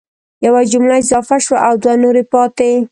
یوه جمله اضافه شوه او دوه نورې پاتي